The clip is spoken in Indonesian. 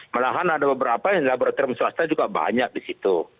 malahan ada beberapa yang laboratorium swasta juga banyak disitu